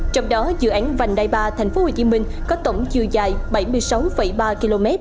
trong đó dự án vành đai ba tp hcm có tổng chiều dài bảy mươi sáu ba km